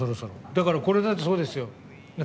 だから、これだってそうですよ。